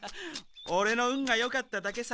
オレの運がよかっただけさ。